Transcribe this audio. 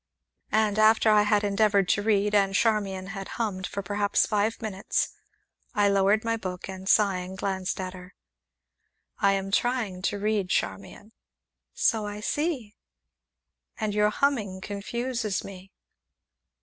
And, after I had endeavored to read, and Charmian had hummed for perhaps five minutes, I lowered my book, and, sighing, glanced at her. "I am trying to read, Charmian." "So I see." "And your humming confuses me."